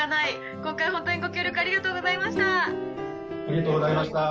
今回本当にご協力ありがとうございました。